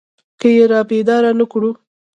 که يې رابيدارې نه کړو.